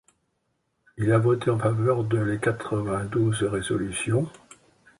Il a voté en faveur de les quatre-vingt-douze résolutions.